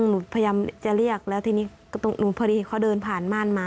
หนูพยายามจะเรียกแล้วทีนี้หนูพอดีเขาเดินผ่านม่านมา